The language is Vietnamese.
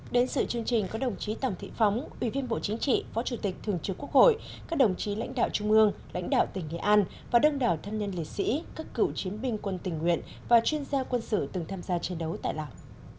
đến sự chương trình có đồng chí tòng thị phóng ủy viên bộ chính trị phó chủ tịch thường trực quốc hội các đồng chí lãnh đạo trung ương lãnh đạo tỉnh nghệ an và đông đảo thân nhân liệt sĩ các cựu chiến binh quân tình nguyện và chuyên gia quân sự từng tham gia chiến đấu tại lào